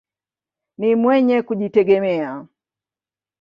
Ni mwenye kujitegemea.